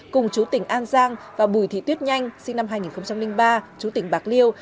cùng chú tỉnh an giang và bùi thị tuyết nhanh sinh năm hai nghìn ba chú tỉnh bạc liêu